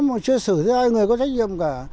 mà chưa xử với ai người có trách nhiệm cả